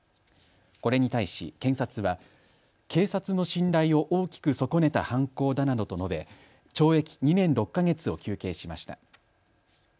これに対し検察は警察の信頼を大きく損ねた犯行だなどと述べ懲役２年６か月を求刑しました。